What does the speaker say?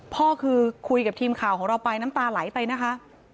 พ่อคือคุยกับทีมข่าวของเราไปน้ำตาไหลไปนะคะ